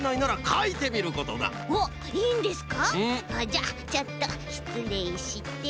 じゃあちょっとしつれいして。